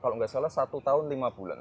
kalau nggak salah satu tahun lima bulan